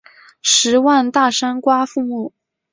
十万大山瓜馥木